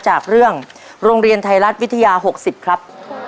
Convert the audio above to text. จากเรื่องโรงเรียนไทยรัฐวิทยา๖๐ครับ